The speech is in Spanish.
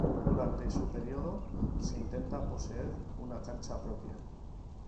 Durante su periodo se intenta poseer una cancha propia.